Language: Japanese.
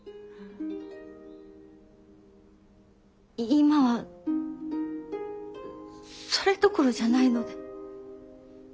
今はそれどころじゃないので。